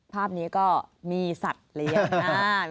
ภาพนี้ก็มีสัตว์เลี้ยงน่า